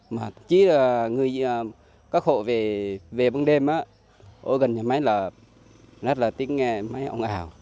mà thậm chí là các hộ về băng đêm ở gần nhà máy là rất là tiếng nghe máy ống ảo